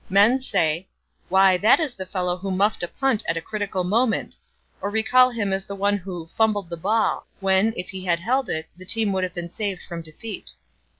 Men say, "Why, that is the fellow who muffed a punt at a critical moment," or recall him as the one who "fumbled the ball," when, if he had held it, the team would have been saved from defeat.